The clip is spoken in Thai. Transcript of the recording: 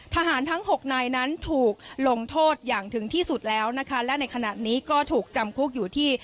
ทหารทั้งหกนายนั้นถูกลงโทษอย่างถึงที่สุดแล้วนะคะและในขณะนี้ก็ถูกจำคุกอยู่ที่